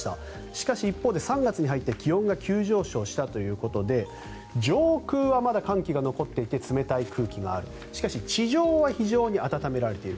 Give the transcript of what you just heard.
しかし、一方で３月に入って気温が急上昇したということで上空はまだ寒気が残っていて冷たい空気があるしかし地上は非常に暖められている。